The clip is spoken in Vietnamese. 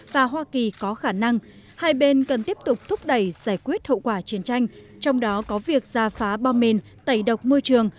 và hoa kỳ có khả năng hai bên cần tiếp tục thúc đẩy giải quyết hậu quả chiến tranh trong đó có việc ra phá bom mìn tẩy độc môi trường